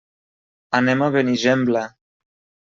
Anem a Benigembla.